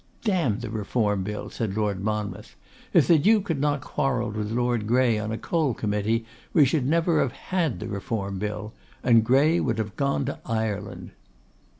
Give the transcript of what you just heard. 'D the Reform Bill!' said Lord Monmouth; 'if the Duke had not quarrelled with Lord Grey on a Coal Committee, we should never have had the Reform Bill. And Grey would have gone to Ireland.